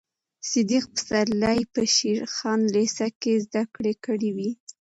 صدیق پسرلي په شېر خان لېسه کې زده کړې کړې وې.